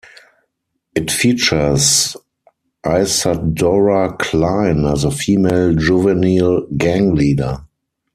It features Isadora Klein as a female juvenile gang leader.